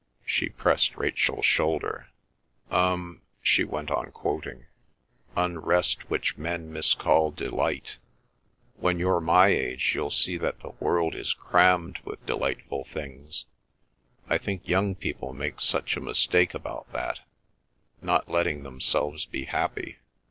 She pressed Rachel's shoulder. "Um m m—" she went on quoting— Unrest which men miscall delight— "when you're my age you'll see that the world is crammed with delightful things. I think young people make such a mistake about that—not letting themselves be happy.